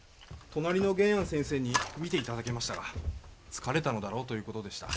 隣の玄庵先生に診て頂きましたが疲れたのだろうという事でした。